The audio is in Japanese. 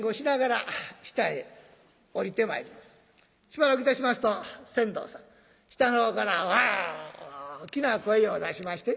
しばらくいたしますと船頭さん下の方から大きな声を出しまして。